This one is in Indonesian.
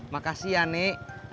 makasih ya nek